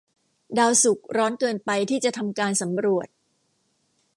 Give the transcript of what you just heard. ดาวศุกร์ร้อนเกินไปที่จะทำการสำรวจ